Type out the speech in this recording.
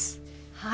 はい！